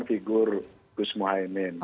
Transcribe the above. figur gus muhaymin